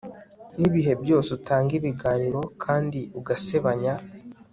nibihe byose utanga ibiganiro kandi ugasebanya